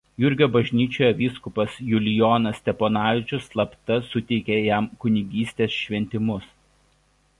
Jurgio bažnyčioje vyskupas Julijonas Steponavičius slapta suteikė jam kunigystės šventimus.